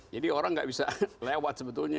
jadi orang nggak bisa lewat sebagainya